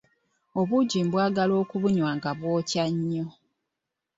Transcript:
Obuugi mbwagala okubunywa nga bwokya nnyo.